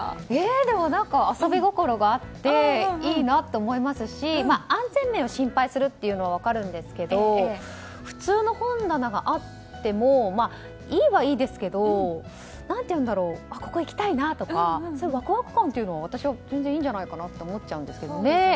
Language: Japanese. でも遊び心があっていいなと思いますし安全面を心配するのは分かるんですけど普通の本棚があってもいいはいいですけどここ行きたいなとかワクワク感というのは私は全然、いいんじゃないかと思っちゃうんですけどね。